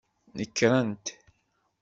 Nekrent.